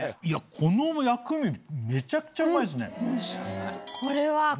いやこの薬味めちゃくちゃうまいですね。